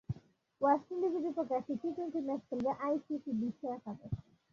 West ইন্ডিজের বিপক্ষে একটি টি টোয়েন্টি ম্যাচ খেলবে আইসিসি বিশ্ব একাদশ।